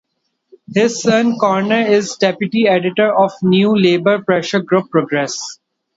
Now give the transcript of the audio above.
His son, Conor, is deputy editor of New Labour pressure group, Progress.